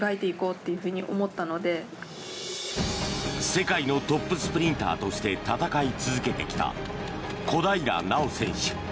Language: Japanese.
世界のトップスプリンターとして戦い続けてきた小平奈緒選手。